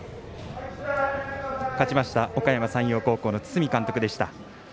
勝ちましたおかやま山陽高校の堤監督でした。